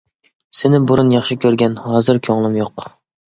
سىنى بۇرۇن ياخشى كۆرگەن، ھازىر كۆڭلۈم يوق.